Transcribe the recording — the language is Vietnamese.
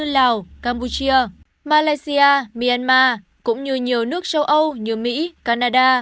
lào campuchia malaysia myanmar cũng như nhiều nước châu âu như mỹ canada